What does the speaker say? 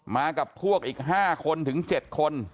มากับพวกอีก๕คนถึง๗คน